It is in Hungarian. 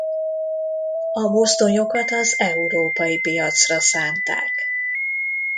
A mozdonyokat az európai piacra szánták.